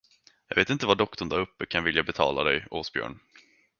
Jag vet inte vad doktorn däruppe kan vilja betala dig, Åsbjörn.